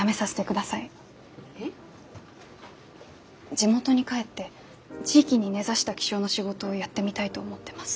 地元に帰って地域に根ざした気象の仕事をやってみたいと思ってます。